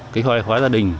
kế hoạch hóa gia đình